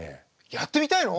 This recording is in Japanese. やってみたいの！？